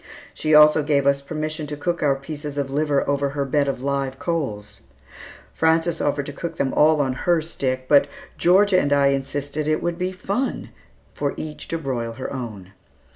She also gave us permission to cook our pieces of liver over her bed of live coals. Frances offered to cook them all on her stick, but Georgia and I insisted that it would be fun for each to broil her own.